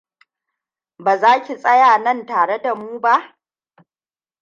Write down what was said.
Ba za ki tsaya nan tare da mu ba?